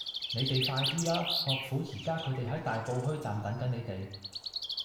你哋快啲啦!岳父佢哋而家喺大埔墟站等緊你哋